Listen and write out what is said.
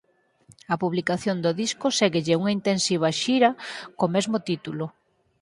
Á publicación do disco séguelle unha intensiva xira co mesmo título.